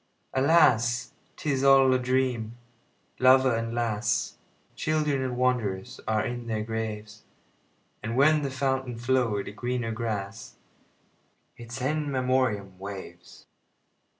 Alas! 't is all a dream. Lover and lass, Children and wanderers, are in their graves; And where the fountain flow'd a greener grass—Its In Memoriam—waves.